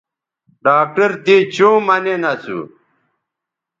ڈاکٹر تے چوں مہ نین اسو